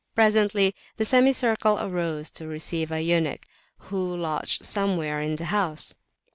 Presently the semicircle arose to receive a eunuch, who lodged somewhere in the house.